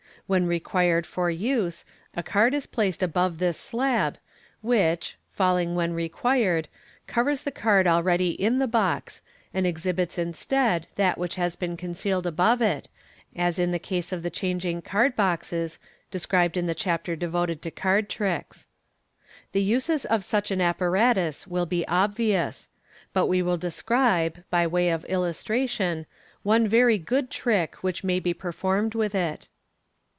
When required for use, a card is placed above this slab, which, falling when required, covers the card already in the box, and exhibits instead that which had been concealed above it, as in the case of the changing card boxes, described in the chapter devoted to card tricks. The uses of such an apparatus will be obvious ; but we will describe, by way of illustration, one very good trick which may be performed with it.